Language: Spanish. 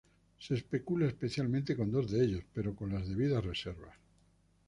Se especula especialmente con dos de ellos, pero con las debidas reservas.